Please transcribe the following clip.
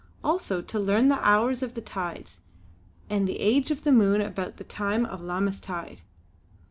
Also to learn the hours of the tides, and the age of the moon about the time of Lammas tide.